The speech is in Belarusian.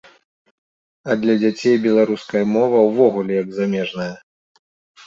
А для дзяцей беларуская мова ўвогуле як замежная.